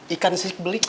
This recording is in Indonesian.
ikan sih beli